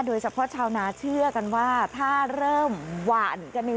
โดยเฉพาะชาวน้าเชื่อกันว่าถ้าเริ่มหวานกัน